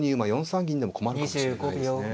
４三銀でも困るかもしれないですね。